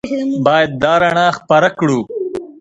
باید دا رڼا خپره کړو.